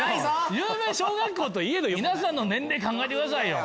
有名小学校といえど皆さんの年齢考えてくださいよ。